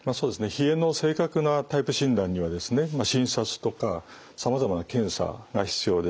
冷えの正確なタイプ診断にはですね診察とかさまざまな検査が必要です。